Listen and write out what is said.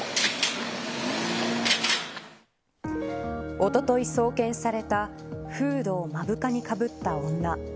おととい送検されたフードを目深にかぶった女。